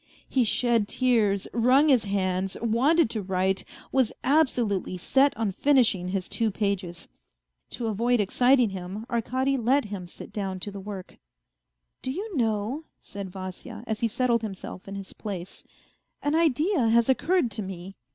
He shed tears, wrung his hands, wanted to write, was absolutely set on finishing his two pages. To avoid exciting him Arkady let him sit down to the work. " Do you know," said Vasya, as he settled himself in his place, " an idea has occurred to me